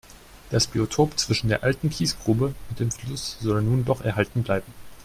Das Biotop zwischen der alten Kiesgrube und dem Fluss soll nun doch erhalten bleiben.